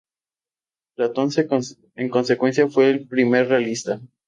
Platón, en consecuencia, fue el primer realista.